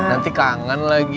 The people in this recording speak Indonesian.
nanti kangen lagi